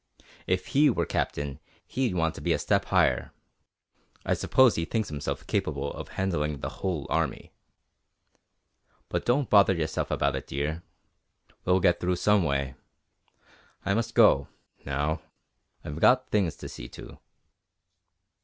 If he were Captain, he'd want to be a step higher I suppose he thinks himself capable of handling the whole army. But don't bother yourself about it, dear we'll get through some way. I must go, now I've got things to see to."